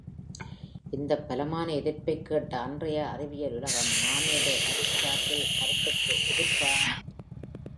இந்த பலமான எதிர்ப்பைக் கேட்ட அன்றைய அறிவியல் உலகம், மாமேதை அரிஸ்டாட்டில் கருத்துக்கு எதிர்ப்பா?